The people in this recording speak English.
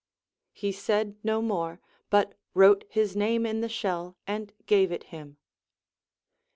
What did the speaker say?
He said no more, but Avrote his name in the shell and gave it him.